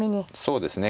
そうですね